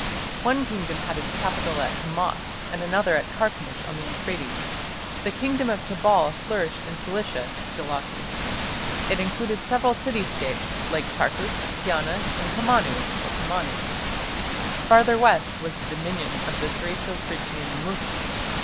One kingdom had its capital at Hamath and another at Carchemish on the Euphrates. The kingdom of Tabal flourished in Cilicia (Khilakku); it included several city States like Tarsus, Tiana, and Comana (Kammanu). Farther west was the dominion of the Thraco Phrygian Muski.